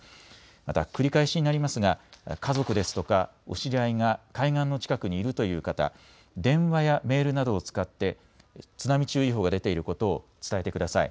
また繰り返しになりますが家族ですとかお知り合いが海岸の近くにいるという方、電話やメールなどを使って津波注意報が出ていることを伝えてください。